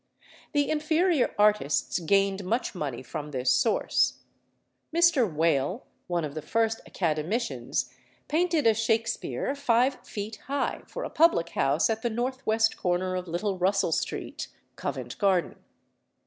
The inferior artists gained much money from this source. Mr. Wale, one of the first Academicians, painted a Shakspere five feet high for a public house at the north west corner of Little Russell Street, Covent Garden.